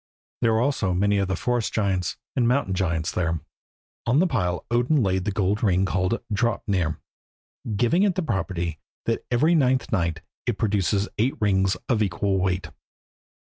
There were also many of the forest giants and mountain giants there. On the pile Odin laid the gold ring called Draupnir, giving it the property that every ninth night it produces eight rings of equal weight.